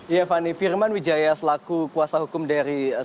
ya fani firman wijaya selaku kuasa hukum dari